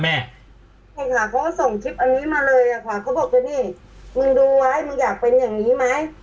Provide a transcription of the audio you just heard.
นี่ค่ะเขาก็ส่งคลิปอันนี้มาเลยค่ะเขาบอกเจนี่มึงดูไว้มึงอยากเป็นอย่างนี้ไหม